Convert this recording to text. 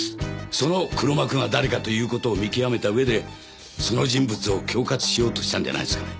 その黒幕が誰かという事を見極めた上でその人物を恐喝しようとしたんじゃないですかね。